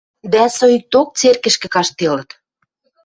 дӓ соикток церкӹшкӹ каштделыт.